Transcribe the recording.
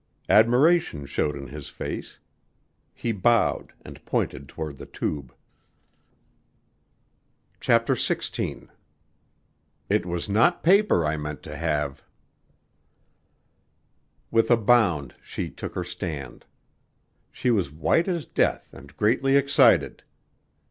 Admiration showed in his face. He bowed and pointed toward the tube. "Now for the song," he cried. CHAPTER XVI "It was not paper I meant to have" With a bound she took her stand. She was white as death and greatly excited.